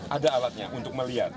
ada alatnya untuk melihat